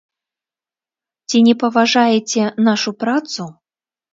Ці не паважаеце нашу працу?